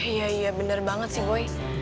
iya iya bener banget sih boy